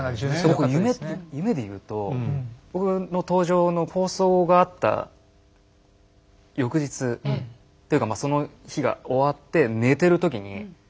僕夢でいうと僕の登場の放送があった翌日というかその日が終わって寝てる時にハハッ！